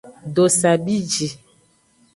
Dosa bi ji.